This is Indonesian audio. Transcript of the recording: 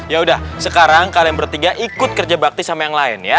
ya udah sekarang kalian bertiga ikut kerja bakti sama yang lain ya